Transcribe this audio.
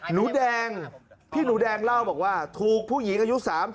หนูแดงพี่หนูแดงเล่าบอกว่าถูกผู้หญิงอายุ๓๐